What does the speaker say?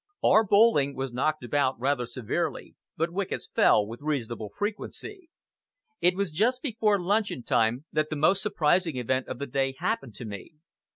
Our bowling was knocked about rather severely, but wickets fell with reasonable frequency. It was just before luncheon time that the most surprising event of the day happened to me.